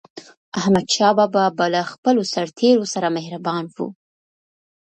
احمدشاه بابا به له خپلو سرتېرو سره مهربان و.